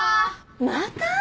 ・また？